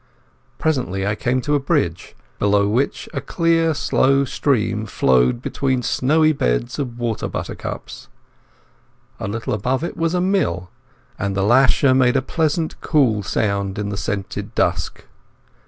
Presently I came to a bridge, below which a clear slow stream flowed between snowy beds of water buttercups. A little above it was a mill; and the lasher made a pleasant cool sound in the scented dusk.